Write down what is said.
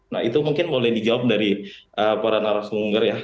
nah itu mungkin boleh dijawab dari para narasumber ya